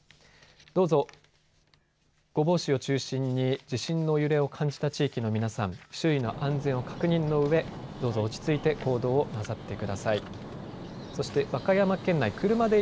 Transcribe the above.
どうぞ御坊市を中心に地震の揺れを感じた地域の皆さん、周囲の安全を確認したうえどうぞ落ち着いて行動をなさってください。